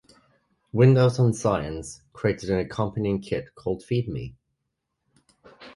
Windows on Science created an accompanying kit called Feed Me!